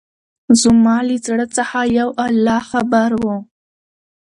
زما له زړه څخه يو الله خبر وو.